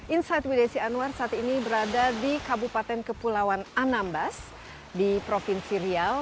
insight with desi anwar saat ini berada di kabupaten kepulauan anambas di provinsi riau